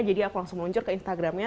jadi aku langsung meluncur ke instagramnya